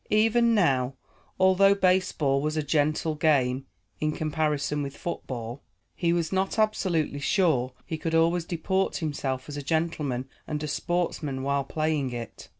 Even now, although baseball was a gentle game in comparison with football, he was not absolutely sure he could always deport himself as a gentleman and a sportsman while playing it.